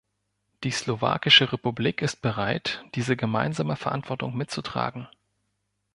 Die Slowakische Republik ist bereit, diese gemeinsame Verantwortung mitzutragen.